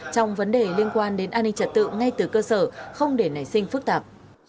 trong vấn đề liên quan đến an ninh trật tự ngay từ cơ sở không để nảy sinh phức tạp